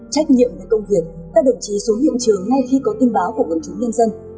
trách nhiệm về công việc các đồng chí xuống hiện trường ngay khi có tin báo của quần chúng nhân dân